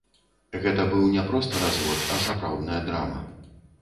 Гэта быў не проста развод, а сапраўдная драма.